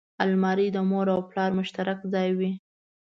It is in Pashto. الماري د مور او پلار مشترک ځای وي